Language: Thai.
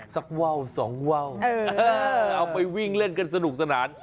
สักว้าวสองว้าวเออเออเอาไปวิ่งเล่นกันสนุกสนาน